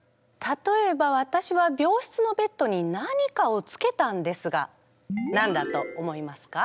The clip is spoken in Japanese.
例えばわたしは病室のベッドに何かをつけたんですが何だと思いますか？